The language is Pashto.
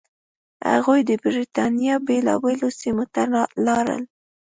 هغوی د برېټانیا بېلابېلو سیمو ته لاړل.